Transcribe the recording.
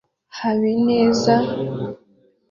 Hebineze wegororewe nke mutweresib